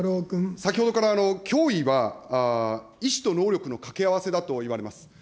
先ほどから脅威は意思と能力の掛け合わせだと言われます。